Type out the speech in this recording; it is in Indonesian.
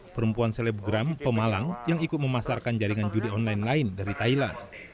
perempuan selebgram pemalang yang ikut memasarkan jaringan judi online lain dari thailand